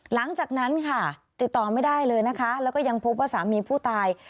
หลังจากนั้นค่ะติดต่อไม่ได้เลยนะคะแล้วก็ยังพบว่าสามีผู้ตาย